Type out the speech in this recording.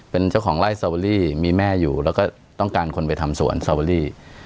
เป็นเจ้าของไล่สตอเบอรี่มีแม่อยู่แล้วก็ต้องการคนไปทำสวนสตอเบอรี่